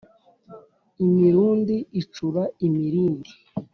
imirundi icura imirindi